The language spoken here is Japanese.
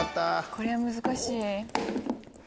これは難しい。